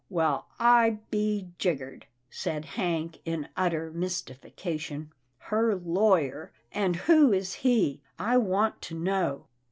" Well I be jiggered," said Hank, in utter mysti fication, " her lawyer — and who is he, I want to know?